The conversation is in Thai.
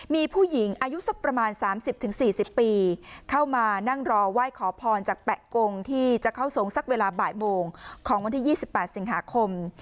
มีผู้หญิงอายุสักประมาณ๓๐๔๐ปีเข้ามานั่งรอไหว้ขอพรจากแปะกงที่จะเข้าทรงสักเวลาบ่ายโมงของวันที่๒๘สิงหาคม